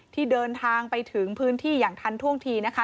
ที่เดินทางไปถึงพื้นที่อย่างทันท่วงทีนะคะ